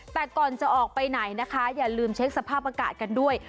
แต่ก่อนจะออกไปไหนนะคะอย่าลืมเช็คสภาพอากาศกันด้วย